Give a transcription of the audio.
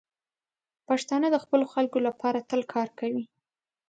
پښتانه د خپلو خلکو لپاره تل کار کوي.